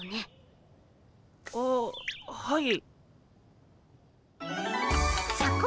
あっはい。